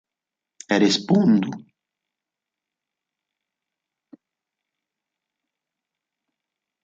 Respondu!